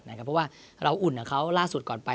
เพราะว่าเราอุ่นกับเขาล่าสุดก่อนไป